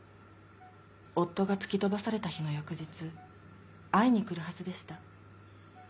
夫が突き飛ばされた日の翌日会いに来るはずでした。